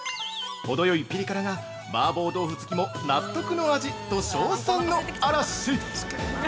「ほどよいピリ辛が麻婆豆腐好きも納得の味！」と称賛の嵐！